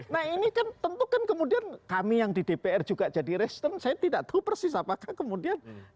nah ini kan tentu kan kemudian kami yang di dpr juga jadi respon saya tidak tahu persis apakah kemudian